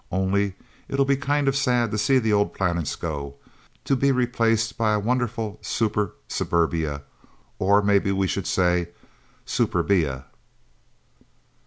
Only, it'll be kind of sad to see the old planets go to be replaced by a wonderful super suburbia. Or maybe we should say, superbia."